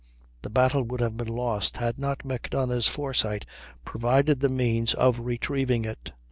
The battle would have been lost had not Macdonough's foresight provided the means of retrieving it.